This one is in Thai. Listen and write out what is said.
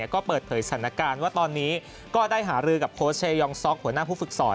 ก็เปิดเผยสถานการณ์ว่าตอนนี้ก็ได้หารือกับโค้ชเชยองซ็อกหัวหน้าผู้ฝึกสอน